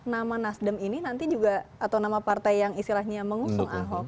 nama nasdem ini nanti juga atau nama partai yang istilahnya mengusung ahok